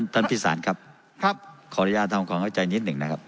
พิสารครับขออนุญาตทำความเข้าใจนิดหนึ่งนะครับ